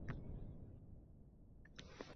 Boshlar boshqa-boshqa yo’ldan